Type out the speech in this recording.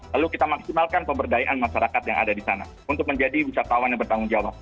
lalu kita maksimalkan pemberdayaan masyarakat yang ada di sana untuk menjadi wisatawan yang bertanggung jawab